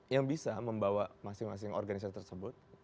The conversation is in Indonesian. yang bisa membawa masing masing organisasi tersebut